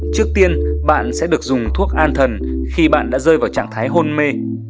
trước tiên bạn sẽ được dùng thuốc an thần khi bạn đã rơi vào trạng thái hôn mê